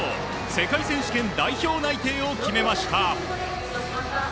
世界選手権代表内定を決めました。